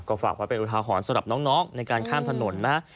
ฝากไว้เป็นอุทาหรณ์สำหรับน้องในการข้ามถนนนะ